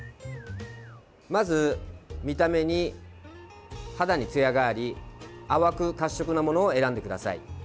まず見た目に肌につやがあり淡く褐色なものを選んでください。